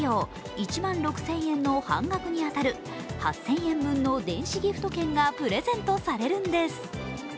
１万６０００円の半額に当たる８０００円分の電子ギフト券がプレゼントされるんです。